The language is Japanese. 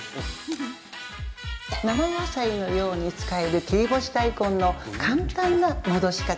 生野菜のように使える切り干し大根の簡単な戻し方。